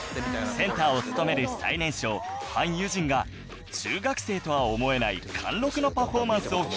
センターを務める最年少ハン・ユジンが中学生とは思えない貫禄のパフォーマンスを披露